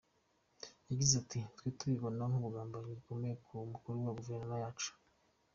Yagize ati “Twe tubibona nk’ubugambanyi bukomeye ku mukuru wa guverinoma yacu.